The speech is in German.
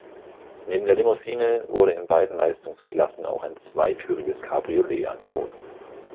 Neben der Limousine wurde in beiden Leistungsklassen auch ein zweitüriges Cabriolet angeboten.